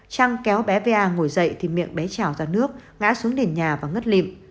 trang kéo bé va ngồi dậy thì miệng bé trào ra nước ngã xuống nền nhà và ngất lịm